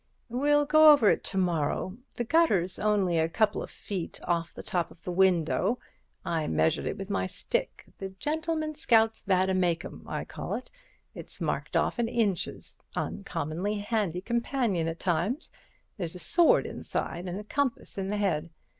"We'll go over it to morrow. The gutter's only a couple of feet off the top of the window. I measured it with my stick—the gentleman scout's vade mecum, I call it—it's marked off in inches. Uncommonly handy companion at times. There's a sword inside and a compass in the head.